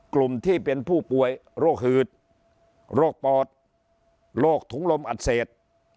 กลุ่มที่เป็นผู้ป่วยโรคหืดโรคปอดโรคถุงลมอักเสบ